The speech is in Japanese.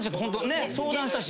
ねっ相談したし。